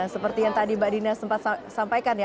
seperti yang tadi mbak dina sempat sampaikan ya